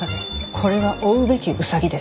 これは追うべきうさぎです。